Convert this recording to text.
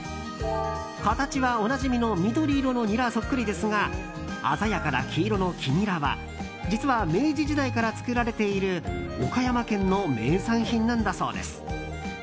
形は、おなじみの緑色のニラそっくりですが鮮やかな黄色の黄ニラは実は明治時代から作られている岡山県の名産品なんだそうです。